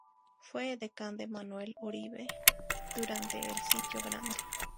Fue edecán de Manuel Oribe durante el Sitio Grande.